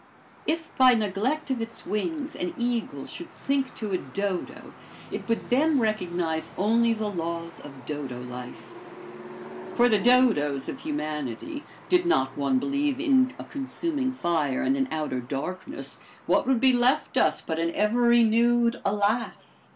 If by neglect of its wings, an eagle should sink to a dodo, it would then recognize only the laws of dodo life. For the dodos of humanity, did not one believe in a consuming fire and an outer darkness, what would be left us but an ever renewed alas!